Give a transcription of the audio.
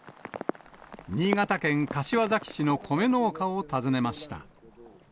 新潟県柏崎市の米農家を訪ねました。